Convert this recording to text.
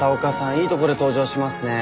いいとこで登場しますね。